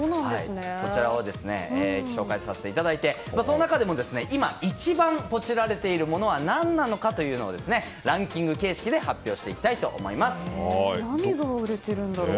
そちらを紹介させていただいてその中でも今、一番ポチられているものは何なのかというのをランキング形式で何が売れているんだろう。